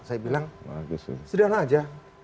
saya bilang sederhana aja